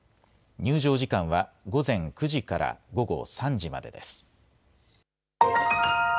入場時間は午前９時から午後３時までです。